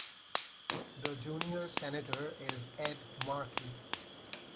The junior senator is Ed Markey.